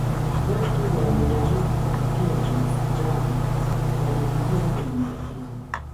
watu waliyojaribu kutetea nafsi zao waliingia kwenye matatizo